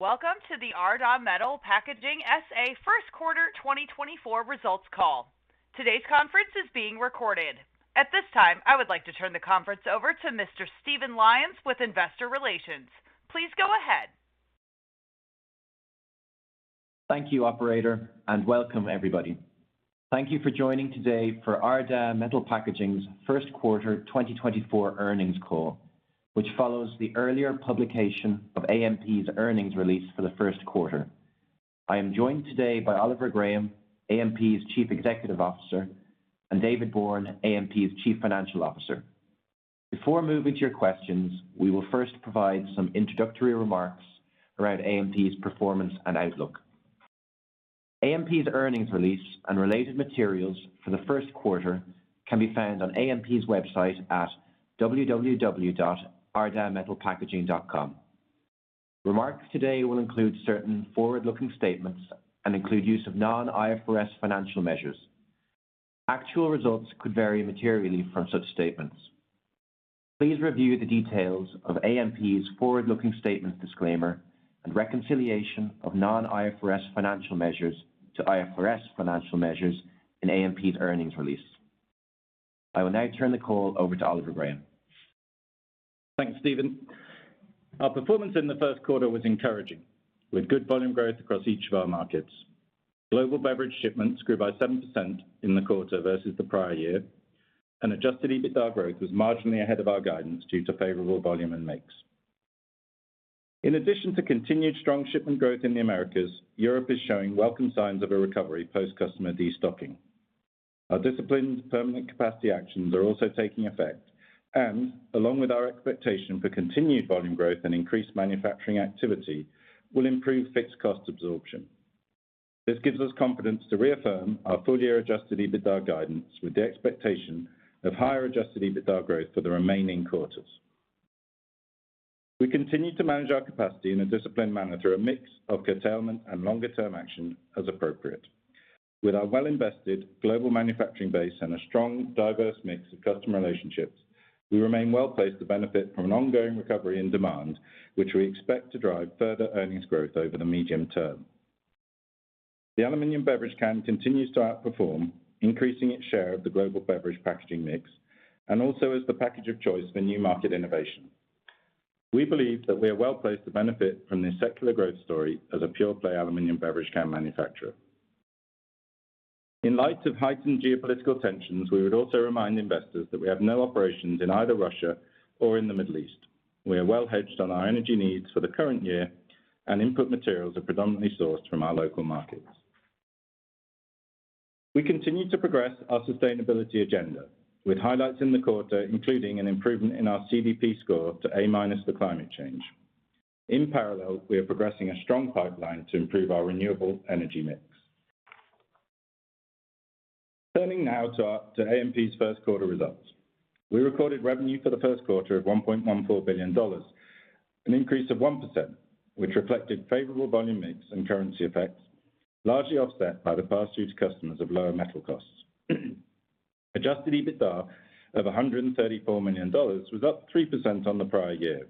Welcome to the Ardagh Metal Packaging SA First Quarter 2024 results call. Today's conference is being recorded. At this time, I would like to turn the conference over to Mr. Stephen Lyons with Investor Relations. Please go ahead. Thank you, operator, and welcome, everybody. Thank you for joining today for Ardagh Metal Packaging's First Quarter 2024 earnings call, which follows the earlier publication of AMP's earnings release for the first quarter. I am joined today by Oliver Graham, AMP's Chief Executive Officer, and David Bourne, AMP's Chief Financial Officer. Before moving to your questions, we will first provide some introductory remarks around AMP's performance and outlook. AMP's earnings release and related materials for the first quarter can be found on AMP's website at www.ardaghmetalpackaging.com. Remarks today will include certain forward-looking statements and include use of non-IFRS financial measures. Actual results could vary materially from such statements. Please review the details of AMP's forward-looking statements disclaimer and reconciliation of non-IFRS financial measures to IFRS financial measures in AMP's earnings release. I will now turn the call over to Oliver Graham. Thanks, Stephen. Our performance in the first quarter was encouraging, with good volume growth across each of our markets. Global beverage shipments grew by 7% in the quarter versus the prior year, and Adjusted EBITDA growth was marginally ahead of our guidance due to favorable volume and mix. In addition to continued strong shipment growth in the Americas, Europe is showing welcome signs of a recovery post-customer destocking. Our disciplined permanent capacity actions are also taking effect, and, along with our expectation for continued volume growth and increased manufacturing activity, will improve fixed cost absorption. This gives us confidence to reaffirm our full-year Adjusted EBITDA guidance with the expectation of higher Adjusted EBITDA growth for the remaining quarters. We continue to manage our capacity in a disciplined manner through a mix of curtailment and longer-term action as appropriate. With our well-invested global manufacturing base and a strong, diverse mix of customer relationships, we remain well-placed to benefit from an ongoing recovery in demand, which we expect to drive further earnings growth over the medium term. The aluminum beverage can continues to outperform, increasing its share of the global beverage packaging mix and also as the package of choice for new market innovation. We believe that we are well-placed to benefit from this secular growth story as a pure-play aluminum beverage can manufacturer. In light of heightened geopolitical tensions, we would also remind investors that we have no operations in either Russia or in the Middle East. We are well hedged on our energy needs for the current year, and input materials are predominantly sourced from our local markets. We continue to progress our sustainability agenda, with highlights in the quarter including an improvement in our CDP score to A- on the climate change. In parallel, we are progressing a strong pipeline to improve our renewable energy mix. Turning now to AMP's first quarter results. We recorded revenue for the first quarter of $1.14 billion, an increase of 1%, which reflected favorable volume mix and currency effects, largely offset by the pass-through to customers of lower metal costs. Adjusted EBITDA of $134 million was up 3% on the prior year,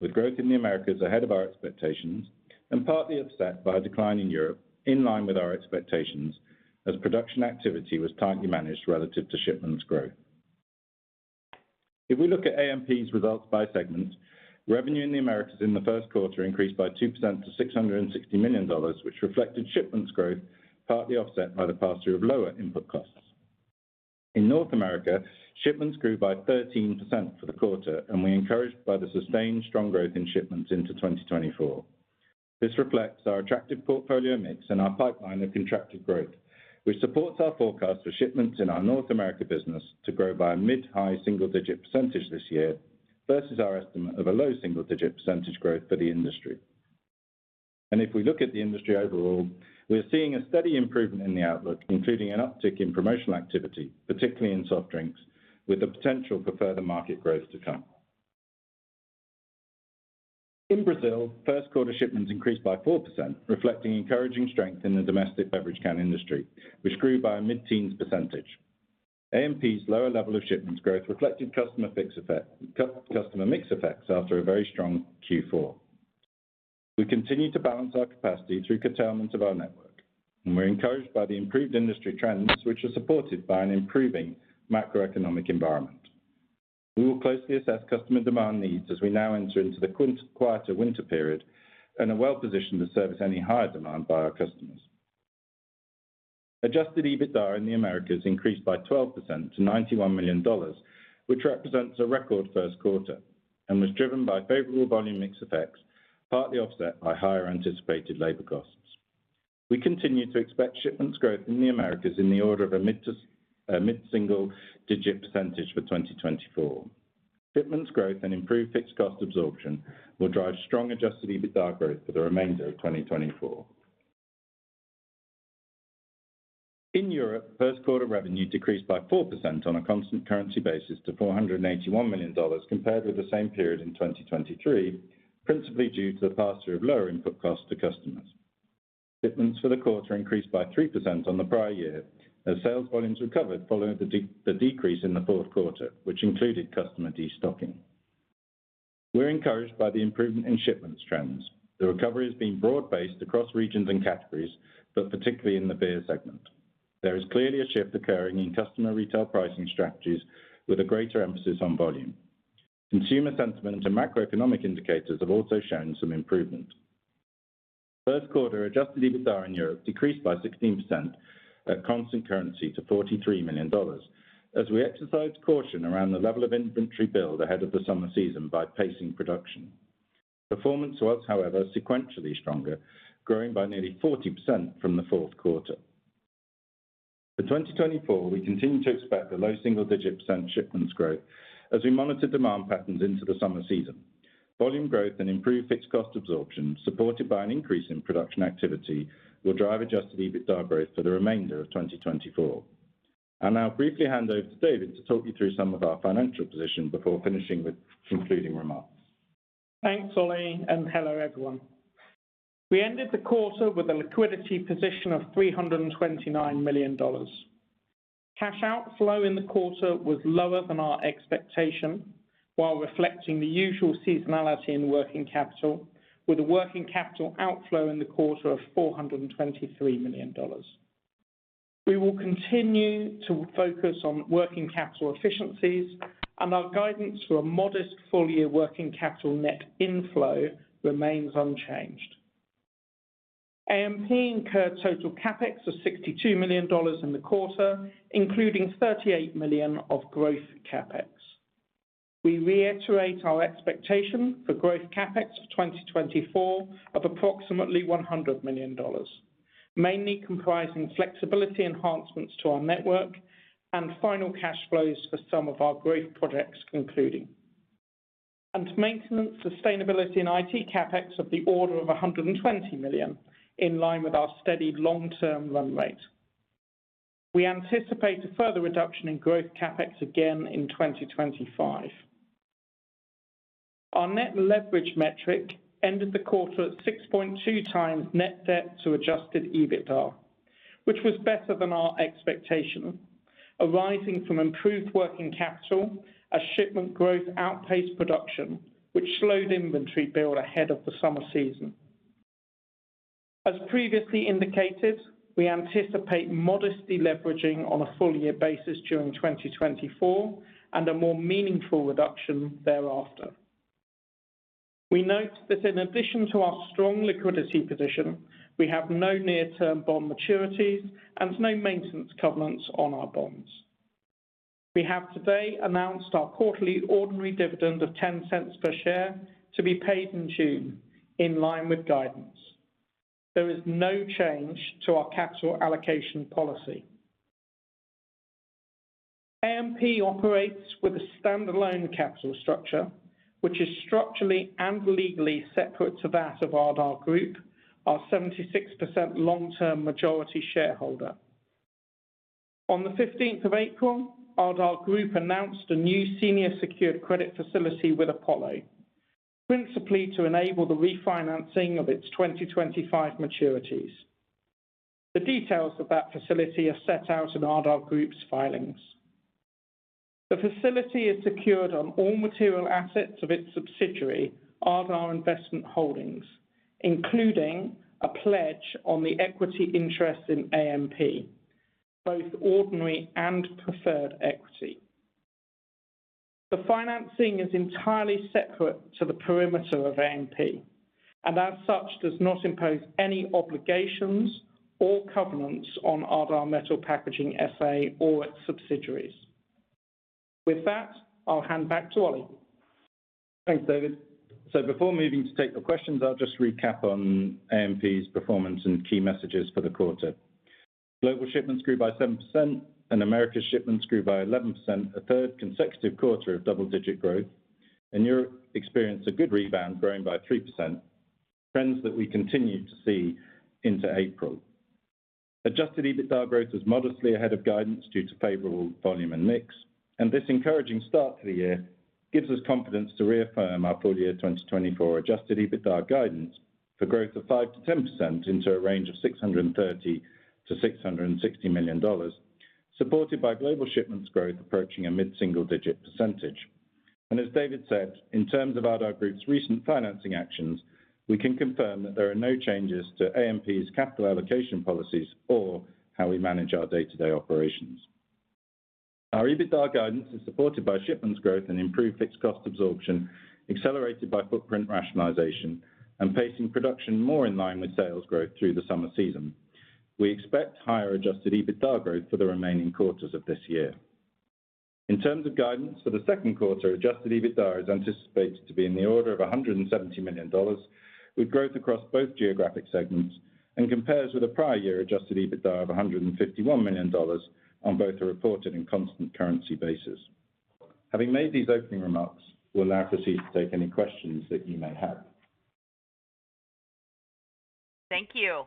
with growth in the Americas ahead of our expectations and partly offset by a decline in Europe in line with our expectations as production activity was tightly managed relative to shipments growth. If we look at AMP's results by segment, revenue in the Americas in the first quarter increased by 2% to $660 million, which reflected shipments growth partly offset by the pass-through of lower input costs. In North America, shipments grew by 13% for the quarter, and we're encouraged by the sustained strong growth in shipments into 2024. This reflects our attractive portfolio mix and our pipeline of contracted growth, which supports our forecast for shipments in our North America business to grow by a mid-high single-digit % this year versus our estimate of a low single-digit % growth for the industry. If we look at the industry overall, we are seeing a steady improvement in the outlook, including an uptick in promotional activity, particularly in soft drinks, with the potential for further market growth to come. In Brazil, first-quarter shipments increased by 4%, reflecting encouraging strength in the domestic beverage can industry, which grew by a mid-teens percentage. AMP's lower level of shipments growth reflected customer mix effects after a very strong Q4. We continue to balance our capacity through curtailment of our network, and we're encouraged by the improved industry trends, which are supported by an improving macroeconomic environment. We will closely assess customer demand needs as we now enter into the quieter winter period and are well-positioned to service any higher demand by our customers. Adjusted EBITDA in the Americas increased by 12% to $91 million, which represents a record first quarter and was driven by favorable volume mix effects, partly offset by higher anticipated labor costs. We continue to expect shipments growth in the Americas in the order of a mid-single-digit percentage for 2024. Shipments growth and improved fixed cost absorption will drive strong adjusted EBITDA growth for the remainder of 2024. In Europe, first-quarter revenue decreased by 4% on a constant currency basis to $481 million compared with the same period in 2023, principally due to the pass-through of lower input costs to customers. Shipments for the quarter increased by 3% on the prior year as sales volumes recovered following the decrease in the fourth quarter, which included customer destocking. We're encouraged by the improvement in shipments trends. The recovery has been broad-based across regions and categories, but particularly in the beer segment. There is clearly a shift occurring in customer retail pricing strategies with a greater emphasis on volume. Consumer sentiment and macroeconomic indicators have also shown some improvement. First quarter adjusted EBITDA in Europe decreased by 16% at constant currency to $43 million as we exercised caution around the level of inventory build ahead of the summer season by pacing production. Performance was, however, sequentially stronger, growing by nearly 40% from the fourth quarter. For 2024, we continue to expect a low single-digit % shipments growth as we monitor demand patterns into the summer season. Volume growth and improved fixed cost absorption, supported by an increase in production activity, will drive adjusted EBITDA growth for the remainder of 2024. I'll now briefly hand over to David to talk you through some of our financial position before finishing with concluding remarks. Thanks, Ollie, and hello, everyone. We ended the quarter with a liquidity position of $329 million. Cash outflow in the quarter was lower than our expectation while reflecting the usual seasonality in working capital, with a working capital outflow in the quarter of $423 million. We will continue to focus on working capital efficiencies, and our guidance for a modest full-year working capital net inflow remains unchanged. AMP incurred total Capex of $62 million in the quarter, including $38 million of growth Capex. We reiterate our expectation for growth Capex for 2024 of approximately $100 million, mainly comprising flexibility enhancements to our network and final cash flows for some of our growth projects concluding, and to maintain sustainability and IT Capex of the order of $120 million in line with our steady long-term run rate. We anticipate a further reduction in growth Capex again in 2025. Our net leverage metric ended the quarter at 6.2x net debt to Adjusted EBITDA, which was better than our expectation, arising from improved working capital as shipment growth outpaced production, which slowed inventory build ahead of the summer season. As previously indicated, we anticipate modest deleveraging on a full-year basis during 2024 and a more meaningful reduction thereafter. We note that in addition to our strong liquidity position, we have no near-term bond maturities and no maintenance covenants on our bonds. We have today announced our quarterly ordinary dividend of $0.10 per share to be paid in June in line with guidance. There is no change to our capital allocation policy. AMP operates with a standalone capital structure, which is structurally and legally separate to that of Ardagh Group, our 76% long-term majority shareholder. On the 15th of April, Ardagh Group announced a new senior secured credit facility with Apollo, principally to enable the refinancing of its 2025 maturities. The details of that facility are set out in Ardagh Group's filings. The facility is secured on all material assets of its subsidiary, Ardagh Investment Holdings, including a pledge on the equity interest in AMP, both ordinary and preferred equity. The financing is entirely separate to the perimeter of AMP and, as such, does not impose any obligations or covenants on Ardagh Metal Packaging SA or its subsidiaries. With that, I'll hand back to Ollie. Thanks, David. So before moving to take your questions, I'll just recap on AMP's performance and key messages for the quarter. Global shipments grew by 7%, and America's shipments grew by 11%, a third consecutive quarter of double-digit growth. In Europe, experience a good rebound, growing by 3%, trends that we continue to see into April. Adjusted EBITDA growth was modestly ahead of guidance due to favorable volume and mix, and this encouraging start to the year gives us confidence to reaffirm our full-year 2024 Adjusted EBITDA guidance for growth of 5%-10% into a range of $630-$660 million, supported by global shipments growth approaching a mid-single-digit %. As David said, in terms of Ardagh Group's recent financing actions, we can confirm that there are no changes to AMP's capital allocation policies or how we manage our day-to-day operations. Our EBITDA guidance is supported by shipments growth and improved fixed cost absorption, accelerated by footprint rationalization, and pacing production more in line with sales growth through the summer season. We expect higher adjusted EBITDA growth for the remaining quarters of this year. In terms of guidance for the second quarter, adjusted EBITDA is anticipated to be in the order of $170 million with growth across both geographic segments and compares with a prior year adjusted EBITDA of $151 million on both a reported and constant currency basis. Having made these opening remarks, we'll now proceed to take any questions that you may have. Thank you.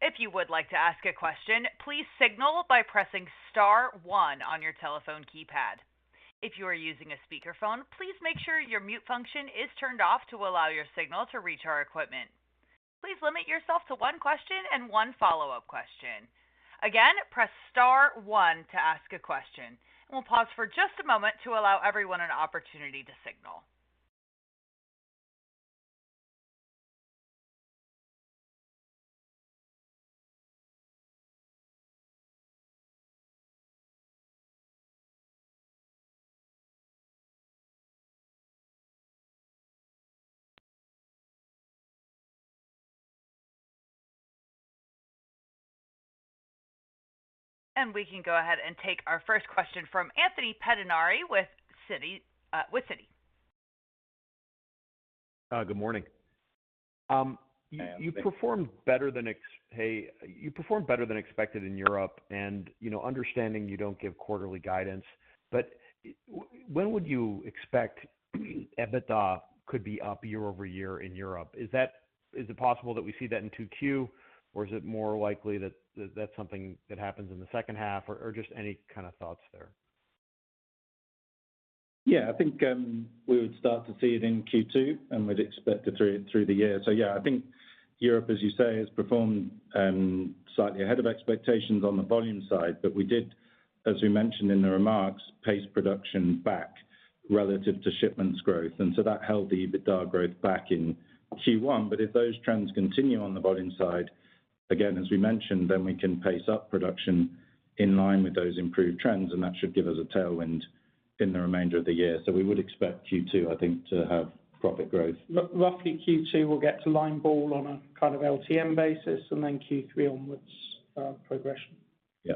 If you would like to ask a question, please signal by pressing star 1 on your telephone keypad. If you are using a speakerphone, please make sure your mute function is turned off to allow your signal to reach our equipment. Please limit yourself to one question and one follow-up question. Again, press star 1 to ask a question, and we'll pause for just a moment to allow everyone an opportunity to signal. We can go ahead and take our first question from Anthony Pettinari with Citi. Good morning. You performed better than expected in Europe, and understanding you don't give quarterly guidance, but when would you expect EBITDA could be up year-over-year in Europe? Is it possible that we see that in 2Q, or is it more likely that that's something that happens in the second half, or just any kind of thoughts there? Yeah, I think we would start to see it in Q2, and we'd expect it through the year. So yeah, I think Europe, as you say, has performed slightly ahead of expectations on the volume side, but we did, as we mentioned in the remarks, pace production back relative to shipments growth. And so that held the EBITDA growth back in Q1. But if those trends continue on the volume side, again, as we mentioned, then we can pace up production in line with those improved trends, and that should give us a tailwind in the remainder of the year. So we would expect Q2, I think, to have profit growth. Roughly Q2, we'll get to line ball on a kind of LTM basis, and then Q3 onwards progression. Yeah.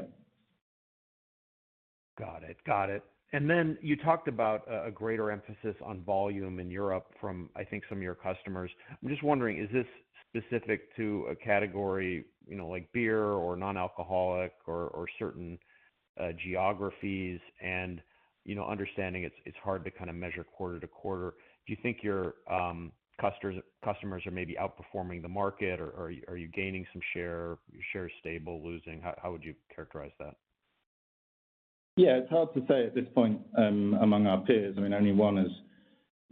Got it. Got it. And then you talked about a greater emphasis on volume in Europe from, I think, some of your customers. I'm just wondering, is this specific to a category like beer or non-alcoholic or certain geographies? And understanding it's hard to kind of measure quarter to quarter, do you think your customers are maybe outperforming the market, or are you gaining some share? Your share is stable, losing. How would you characterize that? Yeah, it's hard to say at this point among our peers. I mean, only one has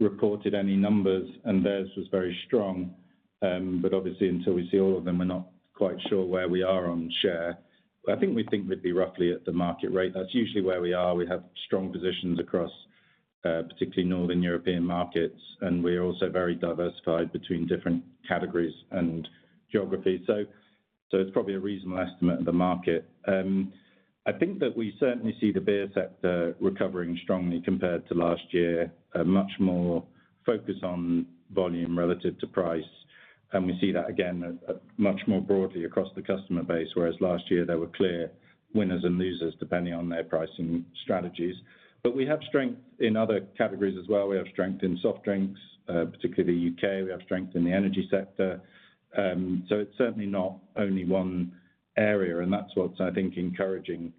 reported any numbers, and theirs was very strong. But obviously, until we see all of them, we're not quite sure where we are on share. But I think we think we'd be roughly at the market rate. That's usually where we are. We have strong positions across particularly northern European markets, and we are also very diversified between different categories and geographies. So it's probably a reasonable estimate of the market. I think that we certainly see the beer sector recovering strongly compared to last year, much more focus on volume relative to price. And we see that, again, much more broadly across the customer base, whereas last year, there were clear winners and losers depending on their pricing strategies. But we have strength in other categories as well. We have strength in soft drinks, particularly the UK. We have strength in the energy sector. So it's certainly not only one area, and that's what's, I think, encouraging.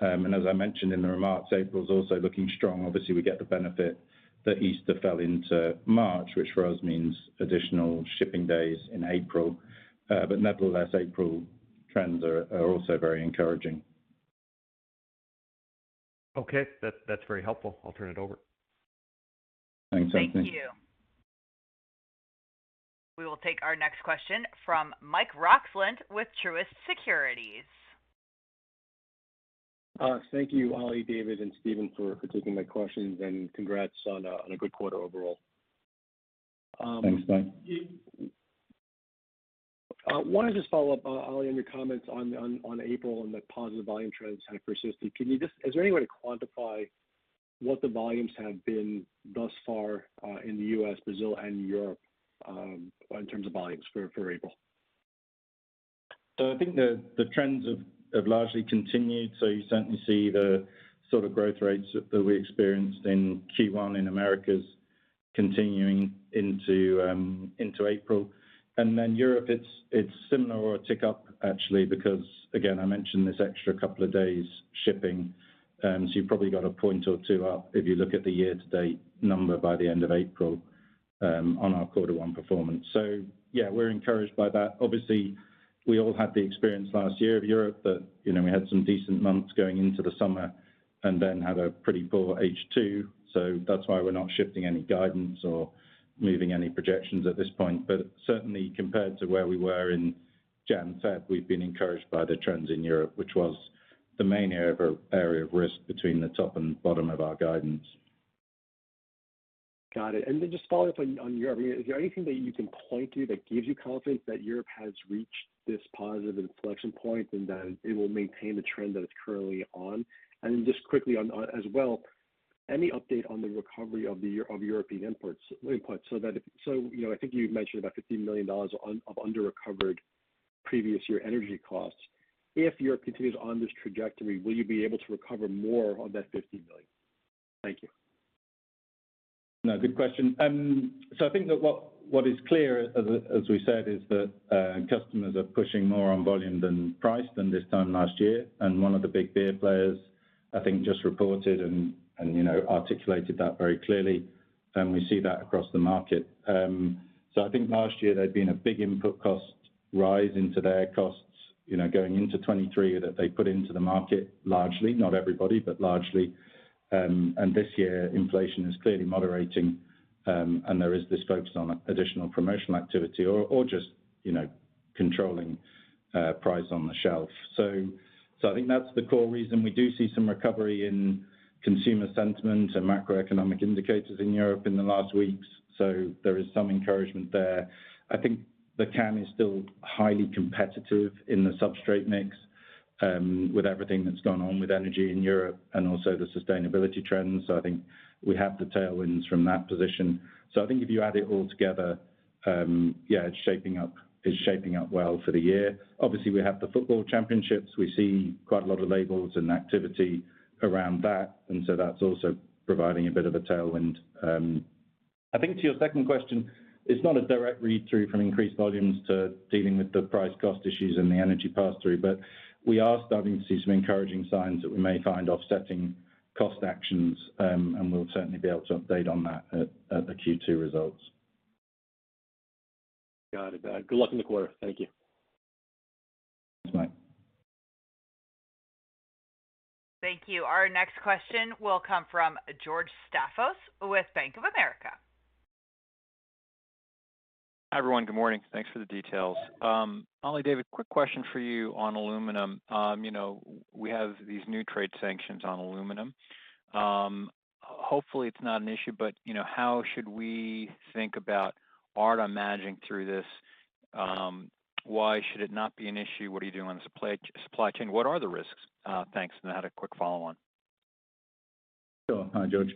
As I mentioned in the remarks, April's also looking strong. Obviously, we get the benefit that Easter fell into March, which for us means additional shipping days in April. But nevertheless, April trends are also very encouraging. Okay. That's very helpful. I'll turn it over. Thanks, Anthony. Thank you. We will take our next question from Mike Roxland with Truist Securities. Thank you, Ollie, David, and Stephen for taking my questions, and congrats on a good quarter overall. Thanks, Mike. I want to just follow up, Ollie, on your comments on April and the positive volume trends have persisted. Is there any way to quantify what the volumes have been thus far in the U.S., Brazil, and Europe in terms of volumes for April? So I think the trends have largely continued. So you certainly see the sort of growth rates that we experienced in Q1 in Americas continuing into April. And then Europe, it's similar or a tick up, actually, because, again, I mentioned this extra couple of days shipping. So you've probably got a point or two up if you look at the year-to-date number by the end of April on our quarter one performance. So yeah, we're encouraged by that. Obviously, we all had the experience last year of Europe that we had some decent months going into the summer and then had a pretty poor H2. So that's why we're not shifting any guidance or moving any projections at this point. But certainly, compared to where we were in January-February, we've been encouraged by the trends in Europe, which was the main area of risk between the top and bottom of our guidance. Got it. And then just following up on Europe, is there anything that you can point to that gives you confidence that Europe has reached this positive inflection point and that it will maintain the trend that it's currently on? And then just quickly as well, any update on the recovery of European inputs? So I think you mentioned about $50 million of under-recovered previous year energy costs. If Europe continues on this trajectory, will you be able to recover more of that $50 million? Thank you. No, good question. So I think that what is clear, as we said, is that customers are pushing more on volume than price than this time last year. And one of the big beer players, I think, just reported and articulated that very clearly. And we see that across the market. So I think last year, there'd been a big input cost rise into their costs going into 2023 that they put into the market largely, not everybody, but largely. And this year, inflation is clearly moderating, and there is this focus on additional promotional activity or just controlling price on the shelf. So I think that's the core reason. We do see some recovery in consumer sentiment and macroeconomic indicators in Europe in the last weeks. So there is some encouragement there. I think the can is still highly competitive in the substrate mix with everything that's gone on with energy in Europe and also the sustainability trends. So I think we have the tailwinds from that position. So I think if you add it all together, yeah, it's shaping up well for the year. Obviously, we have the football championships. We see quite a lot of labels and activity around that. And so that's also providing a bit of a tailwind. I think to your second question, it's not a direct read-through from increased volumes to dealing with the price-cost issues and the energy pass-through, but we are starting to see some encouraging signs that we may find offsetting cost actions. And we'll certainly be able to update on that at the Q2 results. Got it. Good luck in the quarter. Thank you. Thanks, Mike. Thank you. Our next question will come from George Staphos with Bank of America. Hi everyone. Good morning. Thanks for the details. Ollie, David, quick question for you on aluminum. We have these new trade sanctions on aluminum. Hopefully, it's not an issue, but how should we think about Ardagh managing through this? Why should it not be an issue? What are you doing on the supply chain? What are the risks? Thanks. And then I had a quick follow-on. Sure. Hi, George.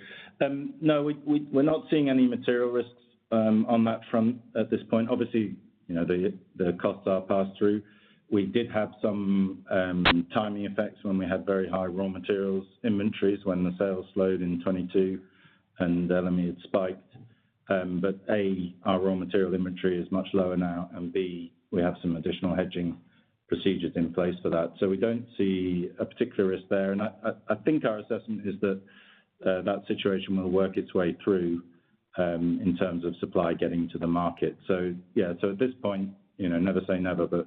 No, we're not seeing any material risks on that front at this point. Obviously, the costs are passed through. We did have some timing effects when we had very high raw materials inventories when the sales slowed in 2022 and aluminum had spiked. But A, our raw material inventory is much lower now, and B, we have some additional hedging procedures in place for that. So we don't see a particular risk there. And I think our assessment is that that situation will work its way through in terms of supply getting to the market. So yeah, so at this point, never say never, but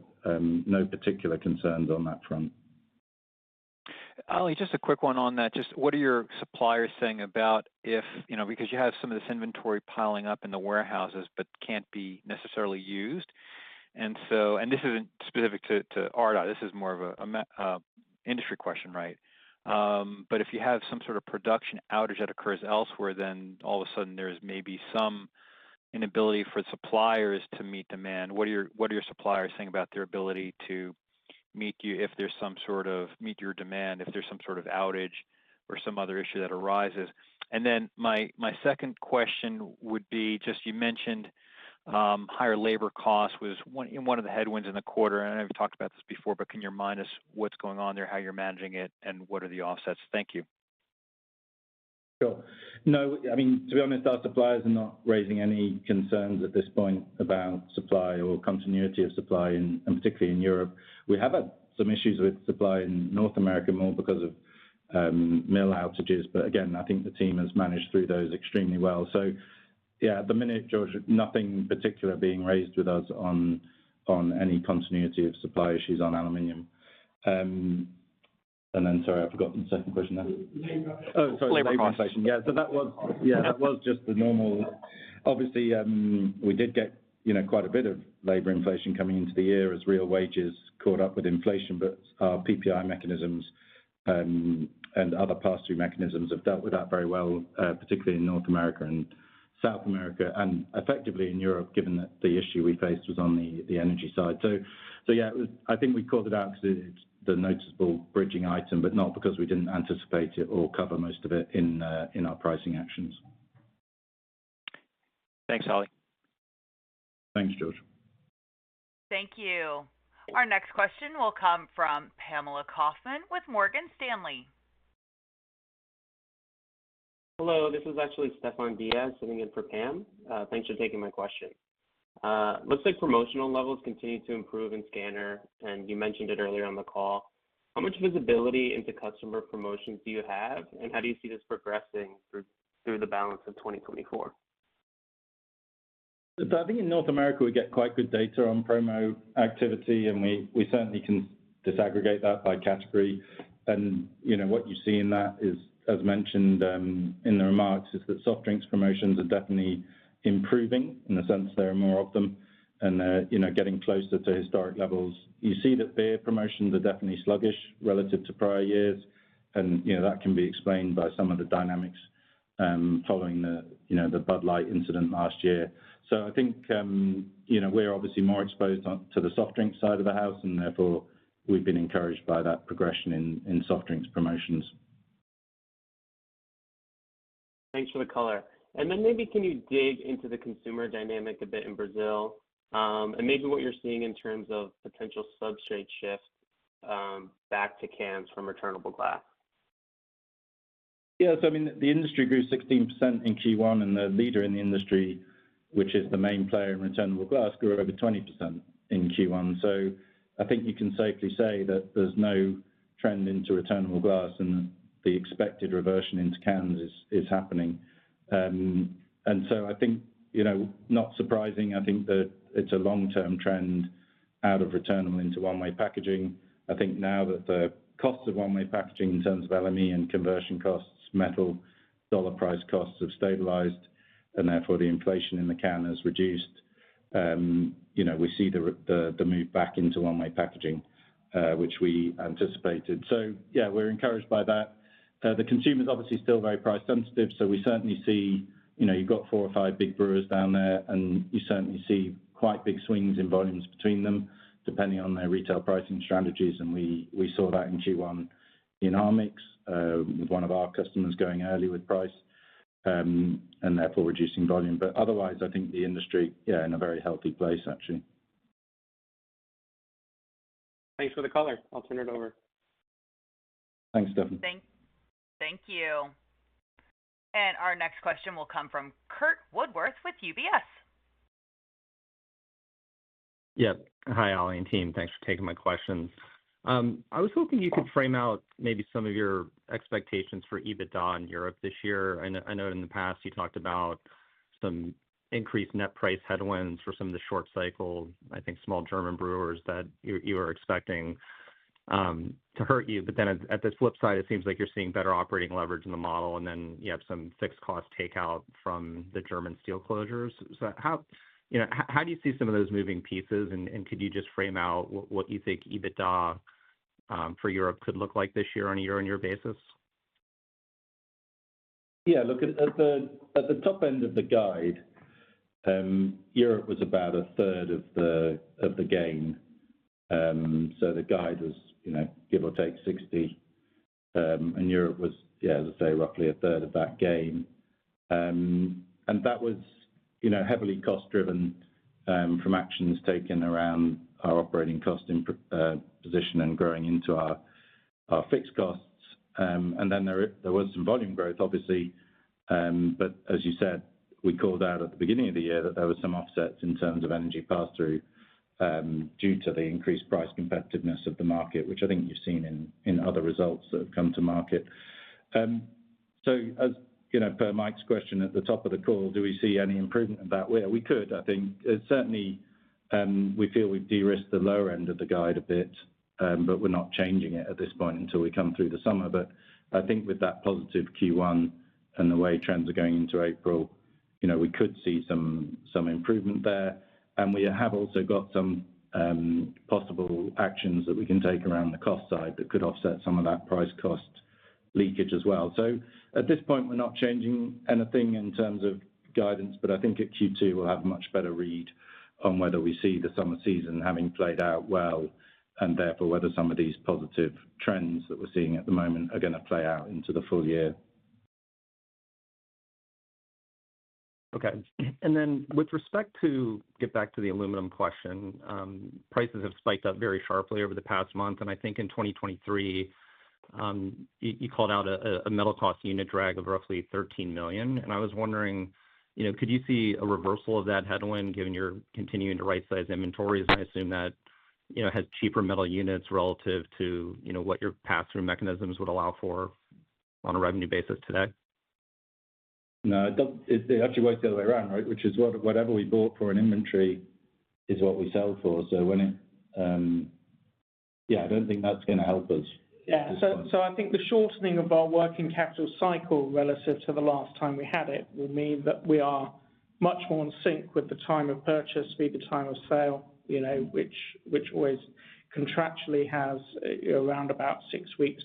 no particular concerns on that front. Ollie, just a quick one on that. Just what are your suppliers saying about if because you have some of this inventory piling up in the warehouses but can't be necessarily used? And this isn't specific to Ardagh. This is more of an industry question, right? But if you have some sort of production outage that occurs elsewhere, then all of a sudden, there's maybe some inability for suppliers to meet demand. What are your suppliers saying about their ability to meet you if there's some sort of meet your demand if there's some sort of outage or some other issue that arises? And then my second question would be just you mentioned higher labor costs was one of the headwinds in the quarter. And I know we've talked about this before, but can you remind us what's going on there, how you're managing it, and what are the offsets? Thank you. Sure. No, I mean, to be honest, our suppliers are not raising any concerns at this point about supply or continuity of supply, and particularly in Europe. We have had some issues with supply in North America more because of mill outages. But again, I think the team has managed through those extremely well. So yeah, at the minute, George, nothing particular being raised with us on any continuity of supply issues on aluminum. And then sorry, I forgot the second question there. Oh, sorry. Labor inflation. Yeah. So that was yeah, that was just the normal obviously, we did get quite a bit of labor inflation coming into the year as real wages caught up with inflation, but our PPI mechanisms and other pass-through mechanisms have dealt with that very well, particularly in North America and South America and effectively in Europe, given that the issue we faced was on the energy side. So yeah, I think we caught it out because it's the noticeable bridging item, but not because we didn't anticipate it or cover most of it in our pricing actions. Thanks, Ollie. Thanks, George. Thank you. Our next question will come from Pamela Kaufman with Morgan Stanley. Hello. This is actually Stefan Diaz sitting in for Pam. Thanks for taking my question. Looks like promotional levels continue to improve in Scanner, and you mentioned it earlier on the call. How much visibility into customer promotions do you have, and how do you see this progressing through the balance of 2024? I think in North America, we get quite good data on promo activity, and we certainly can disaggregate that by category. What you see in that is, as mentioned in the remarks, is that soft drinks promotions are definitely improving in the sense there are more of them and they're getting closer to historic levels. You see that beer promotions are definitely sluggish relative to prior years, and that can be explained by some of the dynamics following the Bud Light incident last year. I think we're obviously more exposed to the soft drinks side of the house, and therefore, we've been encouraged by that progression in soft drinks promotions. Thanks for the color. And then maybe can you dig into the consumer dynamic a bit in Brazil and maybe what you're seeing in terms of potential substrate shift back to cans from returnable glass? Yeah. So I mean, the industry grew 16% in Q1, and the leader in the industry, which is the main player in returnable glass, grew over 20% in Q1. So I think you can safely say that there's no trend into returnable glass and that the expected reversion into cans is happening. And so I think not surprising, I think that it's a long-term trend out of returnable into one-way packaging. I think now that the costs of one-way packaging in terms of LME and conversion costs, metal dollar-price costs have stabilized, and therefore, the inflation in the can has reduced, we see the move back into one-way packaging, which we anticipated. So yeah, we're encouraged by that. The consumer's obviously still very price-sensitive, so we certainly see you've got four or five big brewers down there, and you certainly see quite big swings in volumes between them depending on their retail pricing strategies. And we saw that in Q1 in Brazil with one of our customers going early with price and therefore reducing volume. But otherwise, I think the industry, yeah, in a very healthy place, actually. Thanks for the color. I'll turn it over. Thanks, Stephan. Thank you. Our next question will come from Curt Woodworth with UBS. Yep. Hi, Ollie, and team. Thanks for taking my questions. I was hoping you could frame out maybe some of your expectations for EBITDA in Europe this year. I know in the past, you talked about some increased net price headwinds for some of the short-cycle, I think, small German brewers that you were expecting to hurt you. But then at the flip side, it seems like you're seeing better operating leverage in the model, and then you have some fixed-cost takeout from the German steel closures. So how do you see some of those moving pieces, and could you just frame out what you think EBITDA for Europe could look like this year on a year-on-year basis? Yeah. Look, at the top end of the guide, Europe was about a third of the gain. So the guide was give or take $60, and Europe was, yeah, as I say, roughly a third of that gain. And that was heavily cost-driven from actions taken around our operating cost position and growing into our fixed costs. And then there was some volume growth, obviously. But as you said, we called out at the beginning of the year that there were some offsets in terms of energy pass-through due to the increased price competitiveness of the market, which I think you've seen in other results that have come to market. So per Mike's question at the top of the call, do we see any improvement in that way? We could, I think. Certainly, we feel we've de-risked the lower end of the guide a bit, but we're not changing it at this point until we come through the summer. I think with that positive Q1 and the way trends are going into April, we could see some improvement there. We have also got some possible actions that we can take around the cost side that could offset some of that price-cost leakage as well. At this point, we're not changing anything in terms of guidance, but I think at Q2, we'll have a much better read on whether we see the summer season having played out well and therefore whether some of these positive trends that we're seeing at the moment are going to play out into the full year. Okay. And then with respect to getting back to the aluminum question, prices have spiked up very sharply over the past month. And I think in 2023, you called out a metal cost unit drag of roughly $13 million. And I was wondering, could you see a reversal of that headwind given your continuing to right-size inventories? And I assume that has cheaper metal units relative to what your pass-through mechanisms would allow for on a revenue basis today? No, it actually works the other way around, right? Which is whatever we bought for in inventory is what we sell for. So yeah, I don't think that's going to help us at this point. Yeah. So I think the shortening of our working capital cycle relative to the last time we had it will mean that we are much more in sync with the time of purchase, be the time of sale, which always contractually has around about six weeks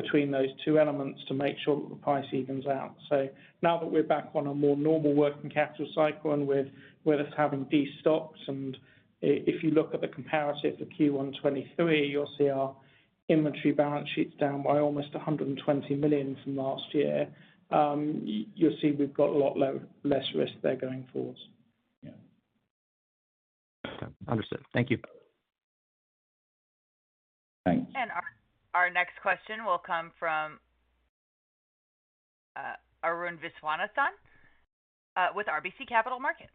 between those two elements to make sure that the price evens out. So now that we're back on a more normal working capital cycle and with us having de-stocks, and if you look at the comparative for Q1 2023, you'll see our inventory balance sheet's down by almost $120 million from last year. You'll see we've got a lot less risk there going forward. Yeah. Understood. Thank you. Thanks. Our next question will come from Arun Viswanathan with RBC Capital Markets.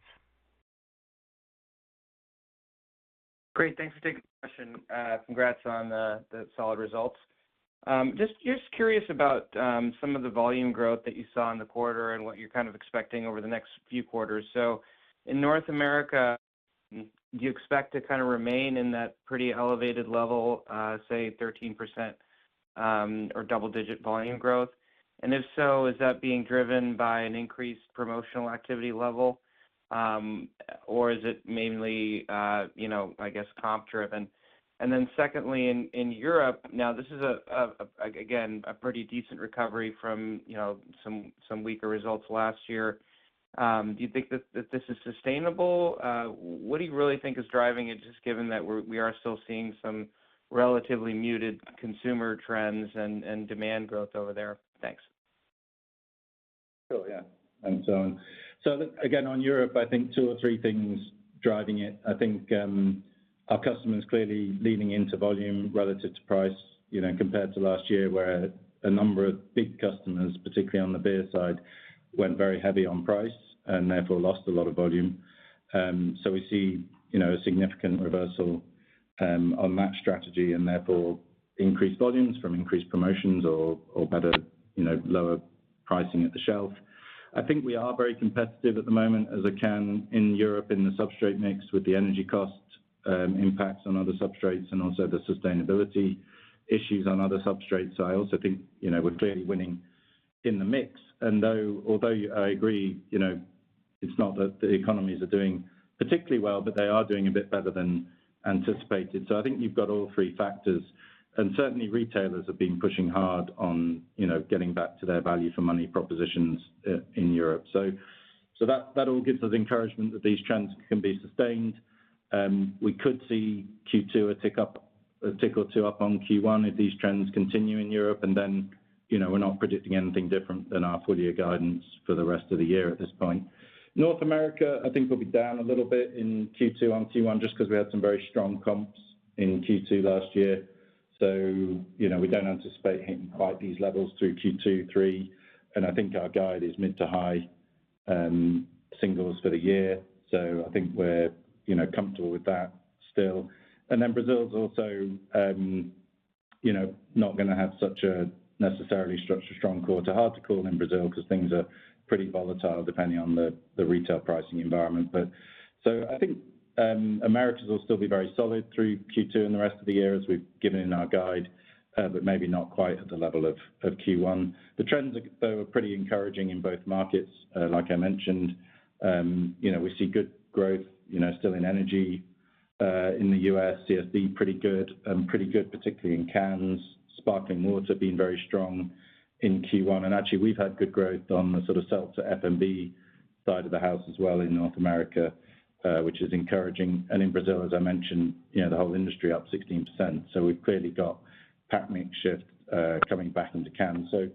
Great. Thanks for taking the question. Congrats on the solid results. Just curious about some of the volume growth that you saw in the quarter and what you're kind of expecting over the next few quarters. So in North America, do you expect to kind of remain in that pretty elevated level, say, 13% or double-digit volume growth? And if so, is that being driven by an increased promotional activity level, or is it mainly, I guess, comp-driven? And then secondly, in Europe, now this is, again, a pretty decent recovery from some weaker results last year. Do you think that this is sustainable? What do you really think is driving it, just given that we are still seeing some relatively muted consumer trends and demand growth over there? Thanks. Sure. Yeah. And so again, on Europe, I think two or three things driving it. I think our customer's clearly leaning into volume relative to price compared to last year, where a number of big customers, particularly on the beer side, went very heavy on price and therefore lost a lot of volume. So we see a significant reversal on that strategy and therefore increased volumes from increased promotions or better, lower pricing at the shelf. I think we are very competitive at the moment as a can in Europe in the substrate mix with the energy cost impacts on other substrates and also the sustainability issues on other substrates. So I also think we're clearly winning in the mix. And although I agree it's not that the economies are doing particularly well, but they are doing a bit better than anticipated. So I think you've got all three factors. Certainly, retailers have been pushing hard on getting back to their value-for-money propositions in Europe. That all gives us encouragement that these trends can be sustained. We could see Q2 a tick or two up on Q1 if these trends continue in Europe, and then we're not predicting anything different than our full-year guidance for the rest of the year at this point. North America, I think we'll be down a little bit in Q2 on Q1 just because we had some very strong comps in Q2 last year. We don't anticipate hitting quite these levels through Q2, Q3. I think our guide is mid to high singles for the year. I think we're comfortable with that still. Then Brazil's also not going to have such a necessarily structured strong quarter. Hard to call in Brazil because things are pretty volatile depending on the retail pricing environment. So I think Americas will still be very solid through Q2 and the rest of the year as we've given in our guide, but maybe not quite at the level of Q1. The trends, though, are pretty encouraging in both markets, like I mentioned. We see good growth still in energy in the U.S. CSD pretty good, particularly in cans. Sparkling water being very strong in Q1. And actually, we've had good growth on the sort of seltzer FMB side of the house as well in North America, which is encouraging. And in Brazil, as I mentioned, the whole industry up 16%. So we've clearly got pack-mix shift coming back into cans. So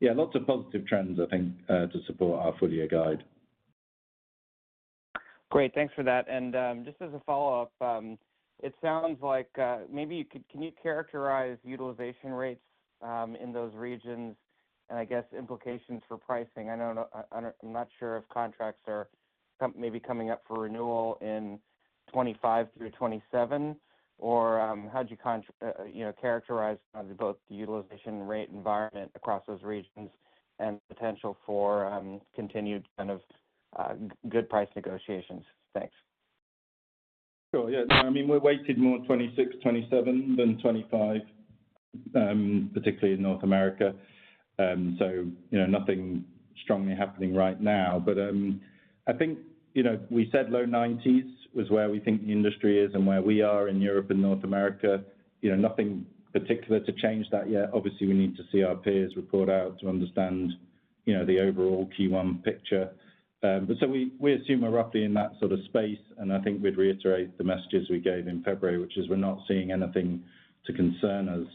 yeah, lots of positive trends, I think, to support our full-year guide. Great. Thanks for that. And just as a follow-up, it sounds like maybe can you characterize utilization rates in those regions and, I guess, implications for pricing? I'm not sure if contracts are maybe coming up for renewal in 2025 through 2027, or how do you characterize both the utilization rate environment across those regions and the potential for continued kind of good price negotiations? Thanks. Sure. Yeah. No, I mean, we're weighted more 2026, 2027 than 2025, particularly in North America. So nothing strongly happening right now. But I think we said low 90s was where we think the industry is and where we are in Europe and North America. Nothing particular to change that yet. Obviously, we need to see our peers report out to understand the overall Q1 picture. But so we assume we're roughly in that sort of space. And I think we'd reiterate the messages we gave in February, which is we're not seeing anything to concern us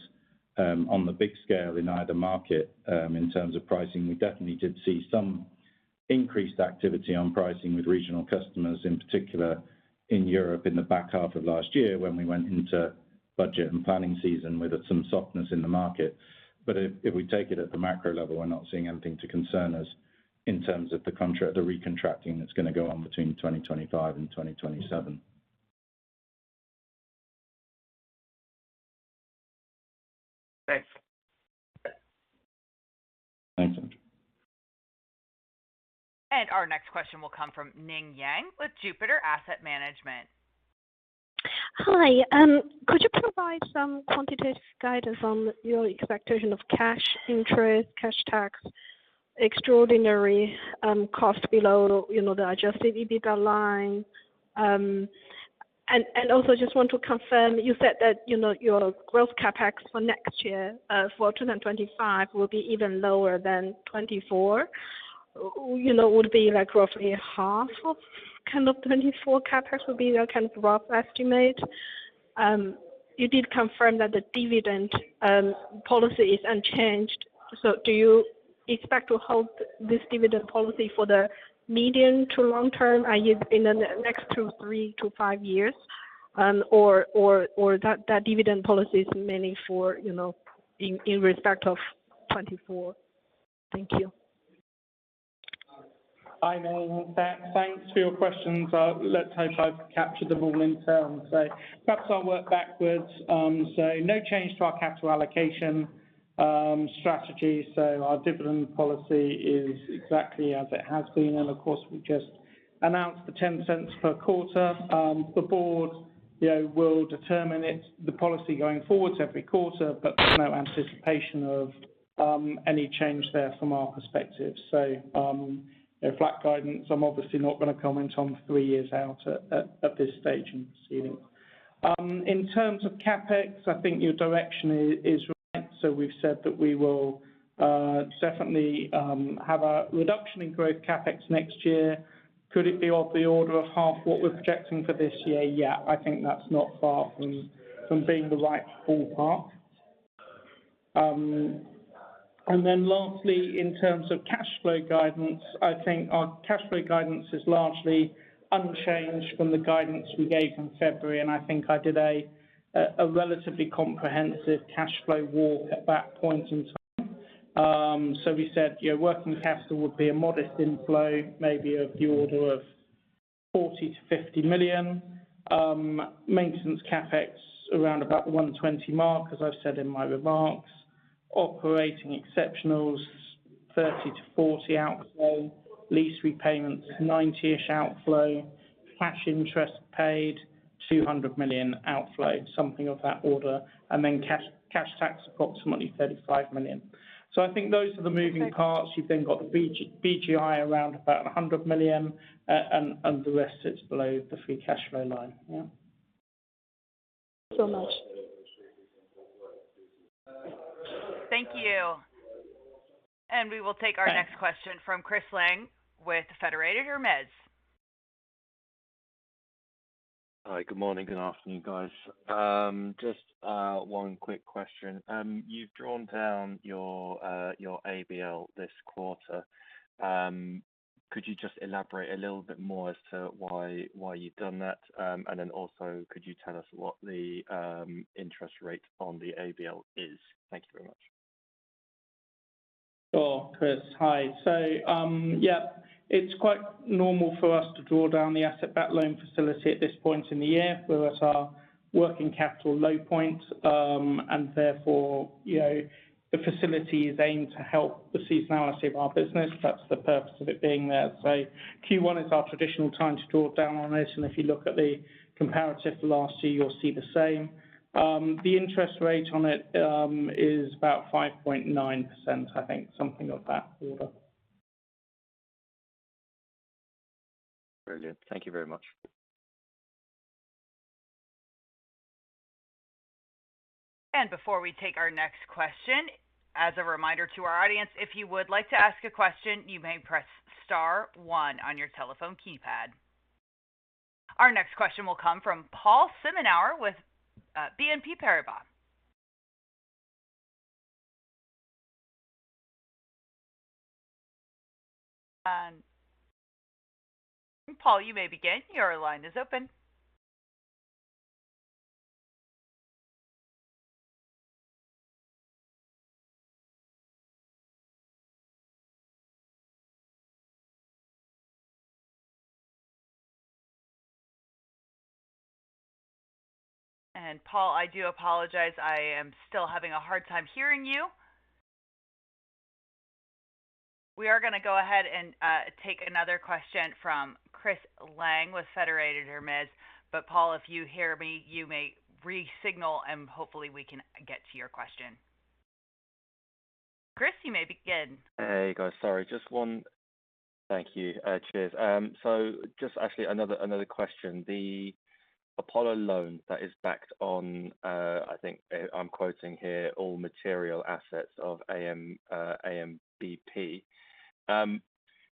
on the big scale in either market in terms of pricing. We definitely did see some increased activity on pricing with regional customers, in particular in Europe, in the back half of last year when we went into budget and planning season with some softness in the market. But if we take it at the macro level, we're not seeing anything to concern us in terms of the recontracting that's going to go on between 2025 and 2027. Thanks. Thanks, Arun. Our next question will come from Ning Yang with Jupiter Asset Management. Hi. Could you provide some quantitative guidance on your expectation of cash interest, cash tax, extraordinary cost below the adjusted EBITDA line? And also just want to confirm, you said that your growth CapEx for next year, for 2025, will be even lower than 2024. Would it be roughly half of kind of 2024 CapEx would be a kind of rough estimate? You did confirm that the dividend policy is unchanged. So do you expect to hold this dividend policy for the medium to long term, i.e., in the next three to five years, or that dividend policy is mainly in respect of 2024? Thank you. Hi, Ning. Thanks for your questions. Let's hope I've captured them all in terms. So perhaps I'll work backwards. So no change to our capital allocation strategy. So our dividend policy is exactly as it has been. And of course, we just announced the $0.10 per quarter. The board will determine the policy going forwards every quarter, but there's no anticipation of any change there from our perspective. So flat guidance. I'm obviously not going to comment on three years out at this stage in proceedings. In terms of Capex, I think your direction is right. So we've said that we will definitely have a reduction in growth Capex next year. Could it be of the order of half what we're projecting for this year? Yeah. I think that's not far from being the right ballpark. And then lastly, in terms of cash flow guidance, I think our cash flow guidance is largely unchanged from the guidance we gave in February. And I think I did a relatively comprehensive cash flow walk at that point in time. So we said working capital would be a modest inflow, maybe of the order of $40 million-$50 million. Maintenance Capex around about the $120 million mark, as I've said in my remarks. Operating exceptionals, $30 million-$40 million outflow. Lease repayments, $90 million-ish outflow. Cash interest paid, $200 million outflow, something of that order. And then cash tax approximately $35 million. So I think those are the moving parts. You've then got the BGI around about $100 million, and the rest sits below the free cash flow line. Yeah. Thank you so much. Thank you. And we will take our next question from Chris Lang with Federated Hermes. Hi. Good morning. Good afternoon, guys. Just one quick question. You've drawn down your ABL this quarter. Could you just elaborate a little bit more as to why you've done that? And then also, could you tell us what the interest rate on the ABL is? Thank you very much. Sure, Chris. Hi. So yeah, it's quite normal for us to draw down the asset-based loan facility at this point in the year. We're at our working capital low point. And therefore, the facility is aimed to help the seasonality of our business. That's the purpose of it being there. So Q1 is our traditional time to draw down on it. And if you look at the comparative for last year, you'll see the same. The interest rate on it is about 5.9%, I think, something of that order. Brilliant. Thank you very much. Before we take our next question, as a reminder to our audience, if you would like to ask a question, you may press star one on your telephone keypad. Our next question will come from Paul Simenauer with BNP Paribas. Paul, you may begin. Your line is open. Paul, I do apologize. I am still having a hard time hearing you. We are going to go ahead and take another question from Chris Lang with Federated Hermes. Paul, if you hear me, you may resignal, and hopefully, we can get to your question. Chris, you may begin. Hey, guys. Sorry. Just one. Thank you. Cheers. So just actually another question. The Apollo loan that is backed on, I think I'm quoting here, "all material assets of AMBP."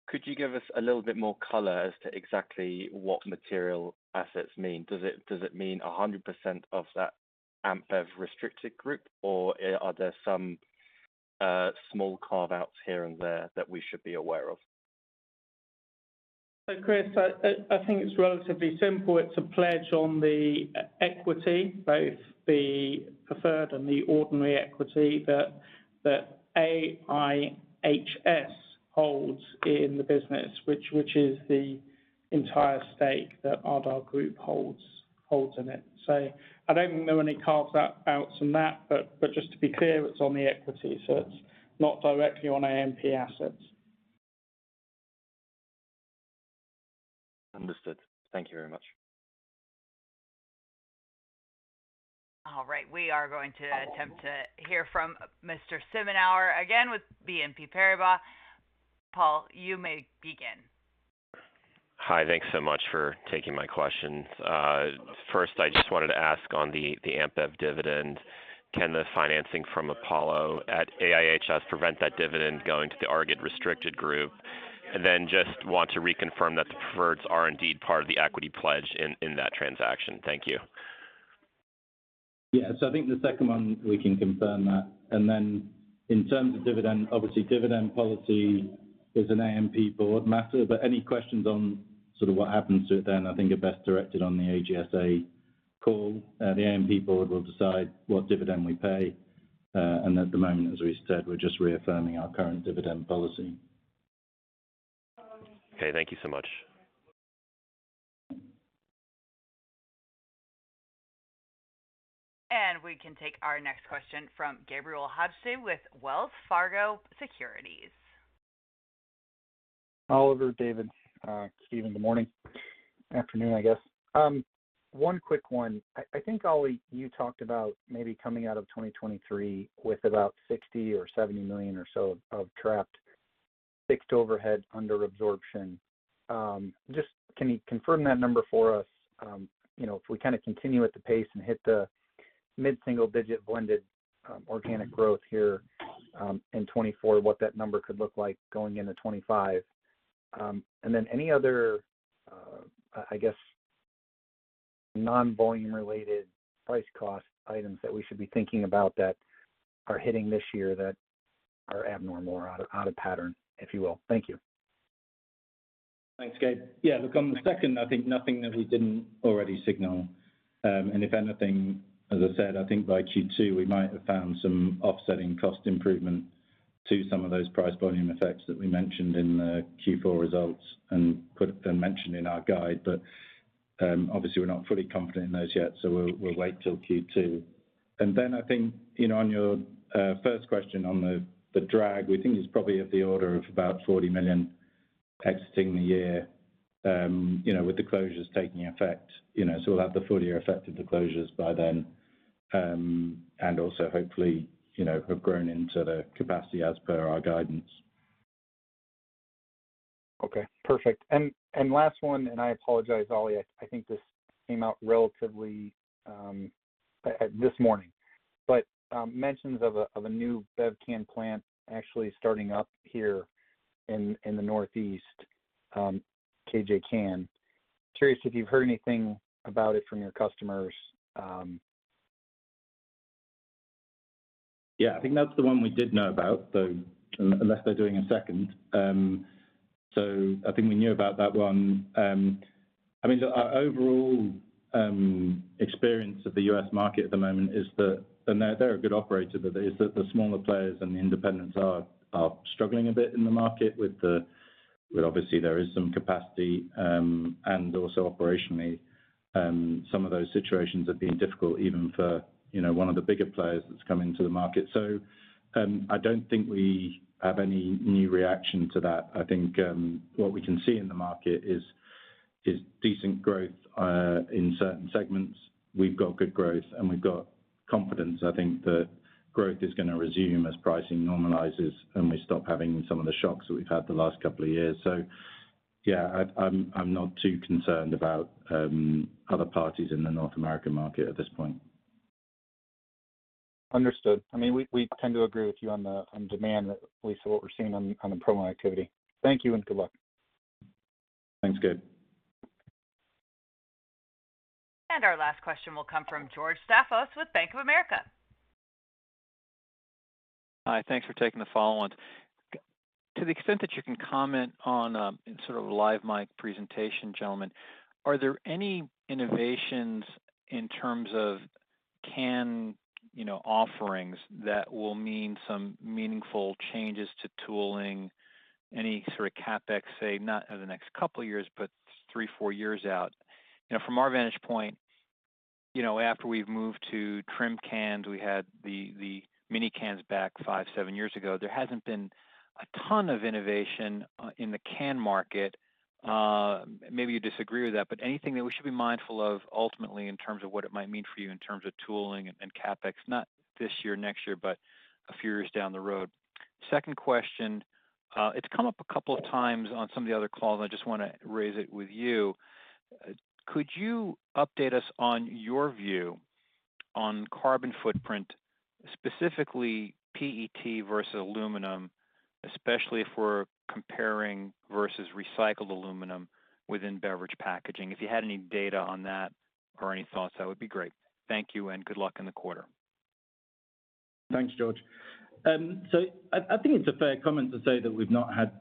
Could you give us a little bit more color as to exactly what material assets mean? Does it mean 100% of that AMBP restricted group, or are there some small carve-outs here and there that we should be aware of? So Chris, I think it's relatively simple. It's a pledge on the equity, both the preferred and the ordinary equity, that AIHS holds in the business, which is the entire stake that Ardagh Group holds in it. So I don't think there are any carve-outs on that. But just to be clear, it's on the equity. So it's not directly on AMP assets. Understood. Thank you very much. All right. We are going to attempt to hear from Mr. Simenauer again with BNP Paribas. Paul, you may begin. Hi. Thanks so much for taking my questions. First, I just wanted to ask on the AMPEV dividend, can the financing from Apollo at AIHS prevent that dividend going to the Ardagh restricted group? And then just want to reconfirm that the preferreds are indeed part of the equity pledge in that transaction. Thank you. Yeah. So I think the second one, we can confirm that. And then in terms of dividend, obviously, dividend policy is an AMP board matter. But any questions on sort of what happens to it then, I think are best directed on the AGSA call. The AMP board will decide what dividend we pay. And at the moment, as we said, we're just reaffirming our current dividend policy. Okay. Thank you so much. We can take our next question from Gabe Hajde with Wells Fargo Securities. Oliver, David, Stephen, good morning. Afternoon, I guess. One quick one. I think, Ollie, you talked about maybe coming out of 2023 with about $60 million or $70 million or so of trapped, fixed overhead under absorption. Just can you confirm that number for us? If we kind of continue at the pace and hit the mid-single-digit blended organic growth here in 2024, what that number could look like going into 2025? And then any other, I guess, non-volume-related price cost items that we should be thinking about that are hitting this year that are abnormal or out of pattern, if you will? Thank you. Thanks, Gabe. Yeah. Look, on the second, I think nothing that we didn't already signal. And if anything, as I said, I think by Q2, we might have found some offsetting cost improvement to some of those price volume effects that we mentioned in the Q4 results and then mentioned in our guide. But obviously, we're not fully confident in those yet. So we'll wait till Q2. And then I think on your first question on the drag, we think it's probably of the order of about $40 million exiting the year with the closures taking effect. So we'll have the full year effective to closures by then and also hopefully have grown into the capacity as per our guidance. Okay. Perfect. And last one, and I apologize, Ollie. I think this came out relatively this morning. But mentions of a new Bevcan plant actually starting up here in the Northeast, KJ CAN. Curious if you've heard anything about it from your customers. Yeah. I think that's the one we did know about, though, unless they're doing a second. So I think we knew about that one. I mean, look, our overall experience of the U.S. market at the moment is that, and they're a good operator, but it's that the smaller players and the independents are struggling a bit in the market with the obviously, there is some capacity. And also operationally, some of those situations have been difficult even for one of the bigger players that's come into the market. So I don't think we have any new reaction to that. I think what we can see in the market is decent growth in certain segments. We've got good growth. And we've got confidence, I think, that growth is going to resume as pricing normalizes and we stop having some of the shocks that we've had the last couple of years. So yeah, I'm not too concerned about other parties in the North American market at this point. Understood. I mean, we tend to agree with you on demand, at least what we're seeing on the promo activity. Thank you and good luck. Thanks, Gabe. Our last question will come from George Staphos with Bank of America. Hi. Thanks for taking the follow-up. To the extent that you can comment on sort of live mic presentation, gentlemen, are there any innovations in terms of can offerings that will mean some meaningful changes to tooling, any sort of Capex, say, not over the next couple of years, but 3, 4 years out? From our vantage point, after we've moved to slim cans, we had the mini cans back 5, 7 years ago. There hasn't been a ton of innovation in the can market. Maybe you disagree with that. But anything that we should be mindful of ultimately in terms of what it might mean for you in terms of tooling and Capex, not this year, next year, but a few years down the road? Second question. It's come up a couple of times on some of the other calls. I just want to raise it with you. Could you update us on your view on carbon footprint, specifically PET versus aluminum, especially if we're comparing versus recycled aluminum within beverage packaging? If you had any data on that or any thoughts, that would be great. Thank you and good luck in the quarter. Thanks, George. So I think it's a fair comment to say that we've not had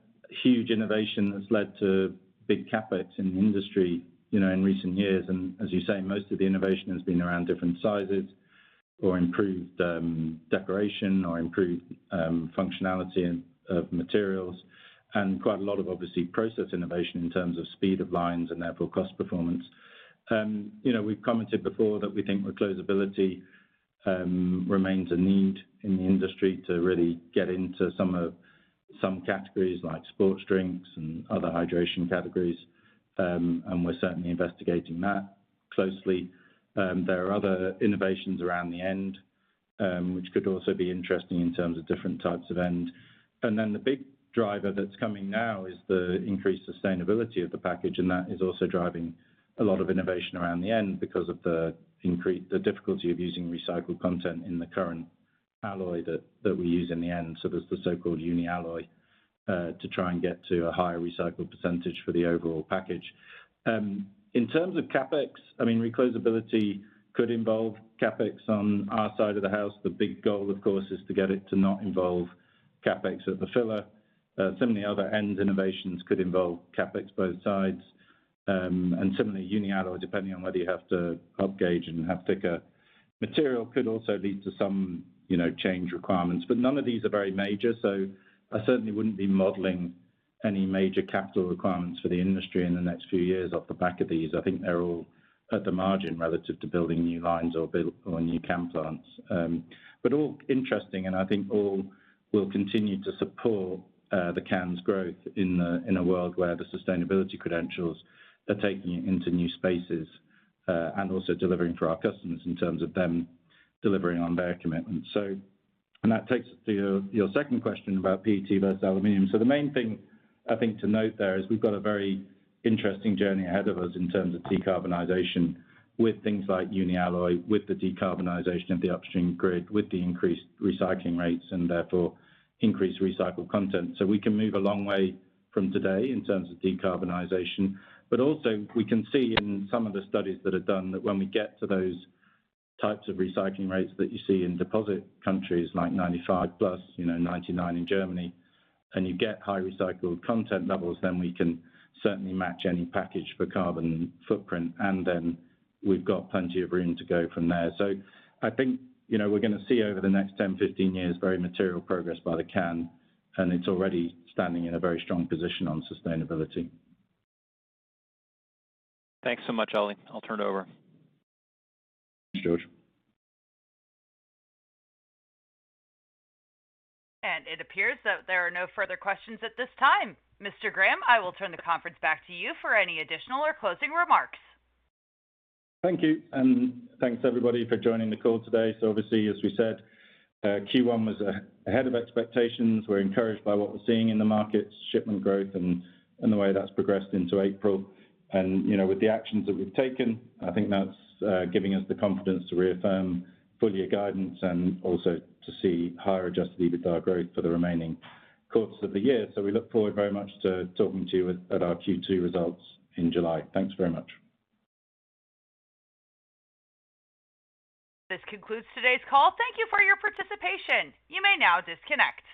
huge innovation that's led to big Capex in the industry in recent years. And as you say, most of the innovation has been around different sizes or improved decoration or improved functionality of materials and quite a lot of, obviously, process innovation in terms of speed of lines and therefore cost performance. We've commented before that we think reclosability remains a need in the industry to really get into some categories like sports drinks and other hydration categories. And we're certainly investigating that closely. There are other innovations around the end which could also be interesting in terms of different types of end. And then the big driver that's coming now is the increased sustainability of the package. That is also driving a lot of innovation around the end because of the difficulty of using recycled content in the current alloy that we use in the end. So there's the so-called Uni-alloys to try and get to a higher recycled percentage for the overall package. In terms of Capex, I mean, reclosability could involve Capex on our side of the house. The big goal, of course, is to get it to not involve Capex at the filler. Similarly, other end innovations could involve Capex both sides. And similarly, Uni-alloys, depending on whether you have to upgauge and have thicker material, could also lead to some change requirements. But none of these are very major. So I certainly wouldn't be modeling any major capital requirements for the industry in the next few years off the back of these. I think they're all at the margin relative to building new lines or new can plants. But all interesting, and I think all will continue to support the can's growth in a world where the sustainability credentials are taking it into new spaces and also delivering for our customers in terms of them delivering on their commitments. That takes us to your second question about PET versus aluminium. So the main thing, I think, to note there is we've got a very interesting journey ahead of us in terms of decarbonization with things like uni-alloy, with the decarbonization of the upstream grid, with the increased recycling rates and therefore increased recycled content. So we can move a long way from today in terms of decarbonization. But also, we can see in some of the studies that are done that when we get to those types of recycling rates that you see in deposit countries like 95+, 99 in Germany, and you get high recycled content levels, then we can certainly match any package for carbon footprint. Then we've got plenty of room to go from there. I think we're going to see over the next 10, 15 years very material progress by the can. It's already standing in a very strong position on sustainability. Thanks so much, Ollie. I'll turn it over. Thanks, George. It appears that there are no further questions at this time. Mr. Graham, I will turn the conference back to you for any additional or closing remarks. Thank you. Thanks, everybody, for joining the call today. Obviously, as we said, Q1 was ahead of expectations. We're encouraged by what we're seeing in the markets, shipment growth, and the way that's progressed into April. With the actions that we've taken, I think that's giving us the confidence to reaffirm full-year guidance and also to see higher Adjusted EBITDA growth for the remaining quarters of the year. We look forward very much to talking to you at our Q2 results in July. Thanks very much. This concludes today's call. Thank you for your participation. You may now disconnect.